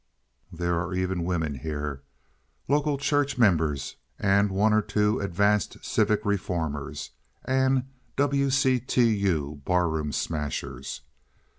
There are even women here—local church members, and one or two advanced civic reformers and W. C. T. U. bar room smashers.